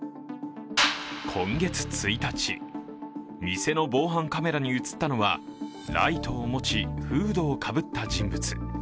今月１日、店の防犯カメラに映ったのはライトを持ちフードをかぶった人物。